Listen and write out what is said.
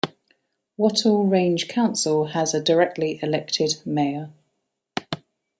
Wattle Range Council has a directly-elected Mayor.